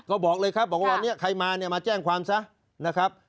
ก็บอกเลยครับบอกว่าวันนี้ใครมาเนี่ยมาแจ้งความซะนะครับ